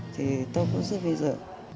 thì tôi cũng rất vi dự